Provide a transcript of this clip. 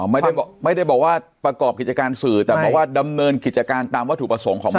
ไม่ได้บอกว่าประกอบกิจการสื่อแต่บอกว่าดำเนินกิจการตามวัตถุประสงค์ของวัด